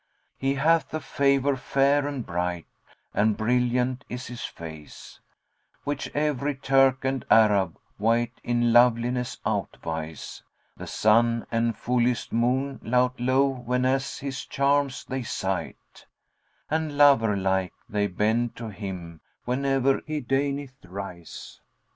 He hath a favour fair and bright, and brilliant is his face, * Which every Turk and Arab wight in loveliness outvies: The Sun and fullest Moon lout low whenas his charms they sight, * And lover like they bend to him whene'er he deigneth rise.